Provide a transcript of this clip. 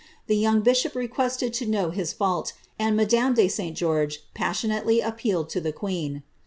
The young bishop requested know his fimlt, and madame de Sl George passionately appealed to e queen.